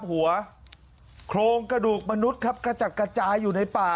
หัวโครงกระดูกมนุษย์ครับกระจัดกระจายอยู่ในป่า